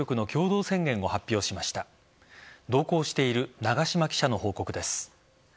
同行している長島記者の報告です。